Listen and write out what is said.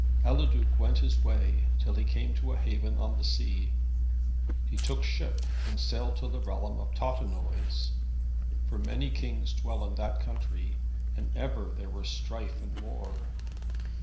Eliduc went his way, till he came to a haven on the sea. He took ship, and sailed to the realm of Totenois, for many kings dwell in that country, and ever there were strife and war.